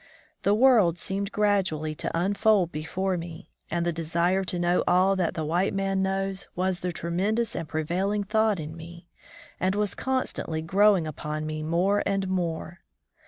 The world seemed gradually to unfold before me, and the desire to know all that the white man knows was the tre mendous and prevailing thought in me, and was constantly growing upon me more and more.